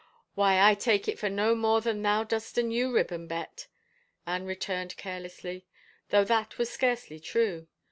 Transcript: " Why, I take it for no more than thou dost a new ribbon. Bet," Anne returned carelessly, though that was scarcely true.